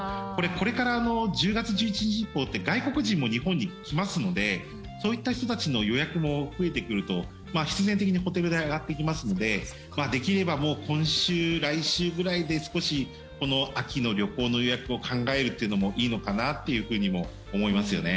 これからの１０月１１日以降って外国人も日本に来ますのでそういった人たちの予約も増えてくると必然的にホテル代が上がっていきますのでできればもう今週、来週ぐらいで少し、この秋の旅行の予約を考えるというのもいいのかなというふうにも思いますよね。